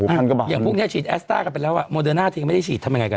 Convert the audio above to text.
อย่างพวกเนี่ยฉีดแอสตาร์กลับไปแล้วโมเดอร์น่าที่ยังไม่ได้ฉีดทำยังไงกัน